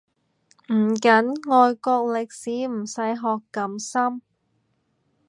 唔緊，外國歷史唔使學咁深